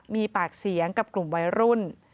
มีปากเสียงกับกลุ่มวัยรุ่น